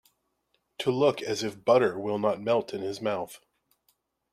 To look as if butter will not melt in his mouth.